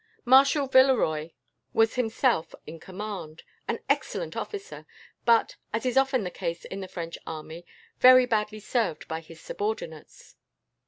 Marshal Villeroy was himself in command; an excellent officer, but, as is often the case in the French army, very badly served by his subordinates.